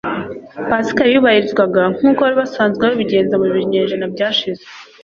Pasika yubahirizwa nk'uko bari basanzwe babigenza mu binyejana byashize,